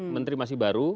menteri masih baru